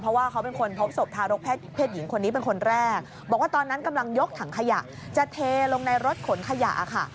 เพราะว่าเขาเป็นคนพบศพทารกเพศหญิงคนนี้เป็นคนแรกบอกว่าตอนนั้นกำลังยกถังขยะจะเทลงในรถขนขยะค่ะ